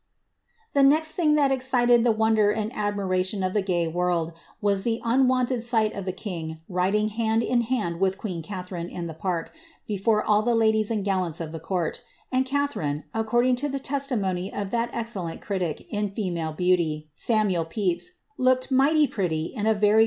^. The next thing that excited the wonder and admiration of the m .^ world, was the unwonted sight of the king riding hand in hand wilk ^ queen Gatharine in the park, before all the ladies and gallants of iht t:^ court ; and Gatharine, acconling to the testimony of that excellent critic iu. in female beauty, Samuel Pepys, looked "mighty pretty," in a leiy